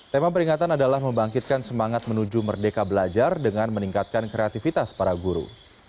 tema peringatan adalah membangkitkan semangat menuju merdeka belajar dengan meningkatkan kreativitas para guru